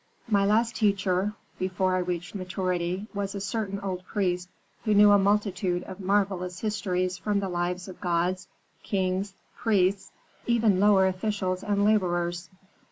My last teacher, before I reached maturity, was a certain old priest, who knew a multitude of marvellous histories from the lives of gods, kings, priests, even lower officials and laborers.